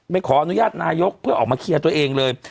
ขออนุญาตนายกเพื่อออกมาเคลียร์ตัวเองเลย